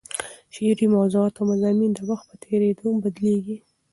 شعري موضوعات او مضامین د وخت په تېرېدو بدلېږي.